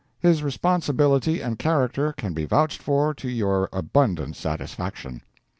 His responsibility and character can be vouched for to your abundant satisfaction.